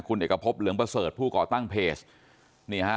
คุณเอกพบเหลืองประเสริฐผู้ก่อตั้งเพจนี่ฮะ